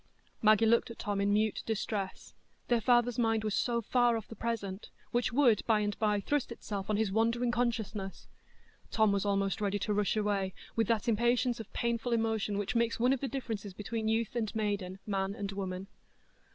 Maggie looked at Tom in mute distress, their father's mind was so far off the present, which would by and by thrust itself on his wandering consciousness! Tom was almost ready to rush away, with that impatience of painful emotion which makes one of the differences between youth and maiden, man and woman.